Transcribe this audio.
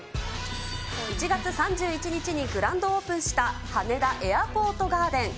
１月３１日にグランドオープンした羽田エアポートガーデン。